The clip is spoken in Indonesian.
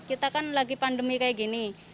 kita kan lagi pandemi kayak gini